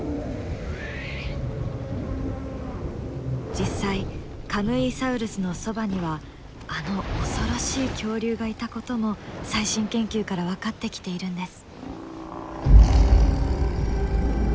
実際カムイサウルスのそばにはあの恐ろしい恐竜がいたことも最新研究から分かってきているんです。